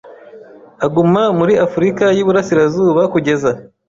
aguma muri Afurika y'Iburasirazuba kugeza